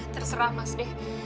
terserah mas d